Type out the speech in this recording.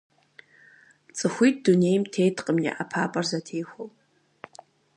Цӏыхуитӏ дунейм теткъым я ӏэпапӏэр зэтехуэу.